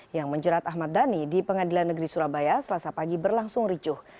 yang menjerat ahmad dhani di pengadilan negeri surabaya selasa pagi berlangsung ricuh